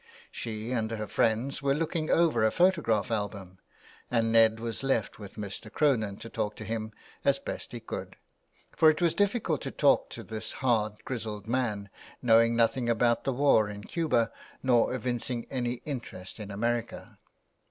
She and her friends were looking over a photograph album, and Ned was left with Mr. Cronin to talk to him as best he could ; for it was difficult to talk to this hard, grizzled man, knowing nothing about the war in Cuba nor evincing any interest in America.